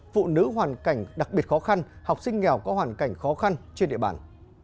phụ nữ hoàn cảnh đặc biệt khó khăn học sinh nghèo có hoàn cảnh khó khăn trên địa bàn